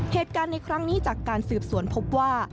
เหตุการณ์ในครั้งนี้จากการสืบสวนพบว่า